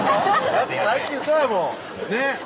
だって最近そうやもんねっ